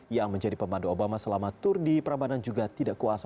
yang menjadi pembantu obama selama tur di prambanan juga tidak kuasa